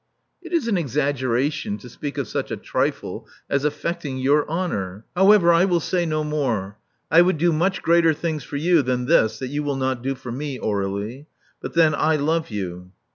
It is an exaggeration to speak of such a trifle as affecting your honor. However, I will say no more. I would do much greater things for you than this that you will not do for me, Aurdlie. But then I love you.